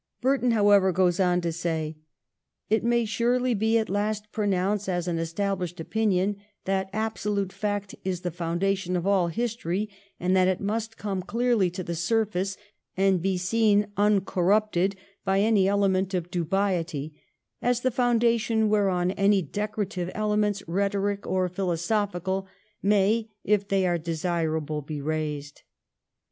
Burton, however, goes on to 158 THE REIGN OF QUEEN ANNE. ch. xxviii. say — 'It may surely be at last pronounced as an established opinion, that absolute fact is the founda tion of all history, and that it must come clearly to the surface, and be seen uncorrupted by any element of dubiety, as the foundation whereon any decorative elements, rhetoric or philosophical, may, if they are desirable, be raised.'